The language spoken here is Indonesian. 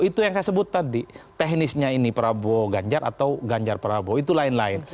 itu yang saya sebut tadi teknisnya ini prabowo ganjar atau ganjar prabowo itu lain lain